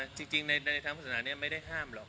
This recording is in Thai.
จริงในทางพัฒนานี้ไม่ได้ห้ามหรอก